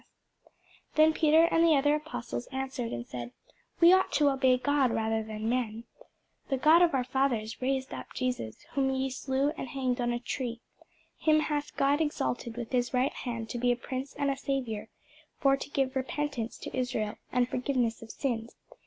[Sidenote: The Acts 6] Then Peter and the other apostles answered and said, We ought to obey God rather than men. The God of our fathers raised up Jesus, whom ye slew and hanged on a tree. Him hath God exalted with his right hand to be a Prince and a Saviour, for to give repentance to Israel, and forgiveness of sins.